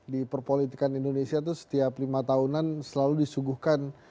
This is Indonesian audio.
di perpolitikan indonesia itu setiap lima tahunan selalu disuguhkan